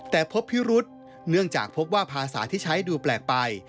แต่พบพิรุษเนื่องจากพบว่าภาษาที่ใช้ดูแปลกไป